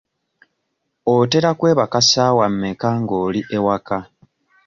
Otera kwebaka ssaawa mmeka nga oli ewaka?